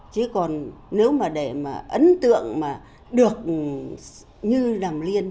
chứ còn nếu mà để mà ấn tượng mà được như đàm liên